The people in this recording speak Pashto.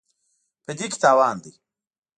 په دې کې تاوان دی.